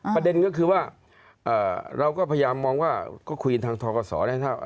ประเด็นก็คือว่าเราก็พยายามมองว่าก็คุยกันทางทกศแล้ว